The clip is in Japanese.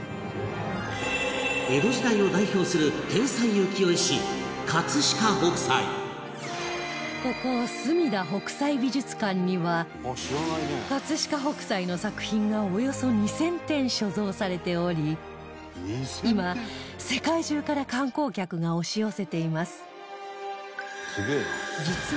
江戸時代を代表するここすみだ北斎美術館には飾北斎の作品がおよそ２０００点所蔵されており今世界中から観光客が押し寄せています